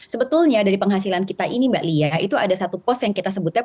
sebetulnya dari penghasilan kita ini mbak lia itu ada satu pos yang kita sebutnya